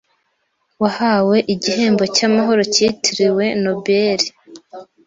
wahawe igihembo cy’amahoro kitiriwe Nobel